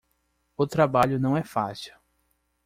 O trabalho não é fácil